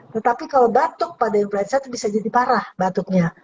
tetapi kalau batuk pada influenza itu bisa jadi parah batuknya